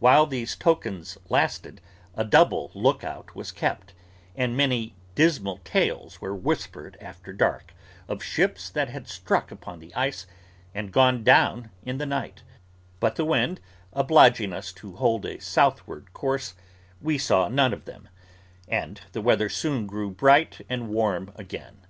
While these tokens lasted, a double look out was kept, and many dismal tales were whispered after dark, of ships that had struck upon the ice and gone down in the night; but the wind obliging us to hold a southward course, we saw none of them, and the weather soon grew bright and warm again.